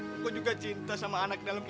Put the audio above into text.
aku juga cinta sama anak dalam kita